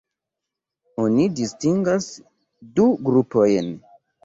Oni distingas du grupojn.